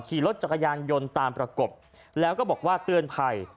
ขี่รถจักรยานยนต์ตามประกบแล้วก็บอกว่าเตือนภัย